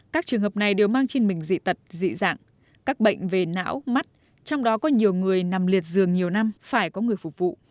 các trường hợp này đều mang trên mình dị tật dị dạng các bệnh về não mắt trong đó có nhiều người nằm liệt dường nhiều năm phải có người phục vụ